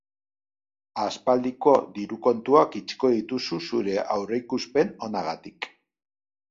Aspaldiko diru kontuak itxiko dituzu zure aurreikuspen onagatik.